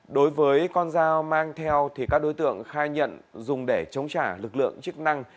đối với con dao mang theo thì các đối tượng khai nhận dùng để chống trả lực lượng chức năng